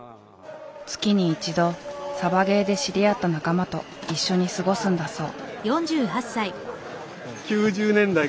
月に１度サバゲーで知り合った仲間と一緒に過ごすんだそう。